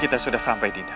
kita sudah sampai dinda